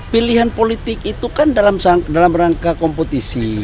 pilihan politik itu kan dalam rangka kompetisi